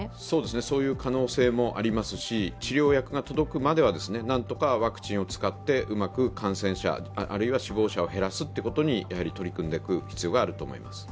そういう可能性もありますし治療薬が届くまでは何とかワクチンを使って、うまく感染者、死亡者を減らすことに取り組んでいく必要があると思います。